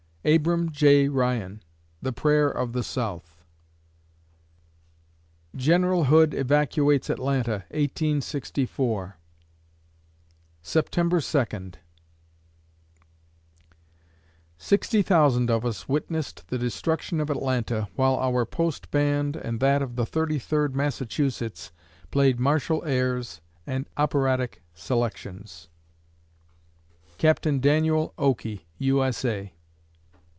ABRAM J. RYAN (The Prayer of the South) General Hood evacuates Atlanta, 1864 September Second Sixty thousand of us witnessed the destruction of Atlanta, while our post band and that of the Thirty third Massachusetts played martial airs and operatic selections. CAPT. DANIEL OAKEY, U. S. A.